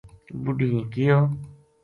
بڈھی نے کہیو